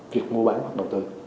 việc mua bán hoặc đầu tư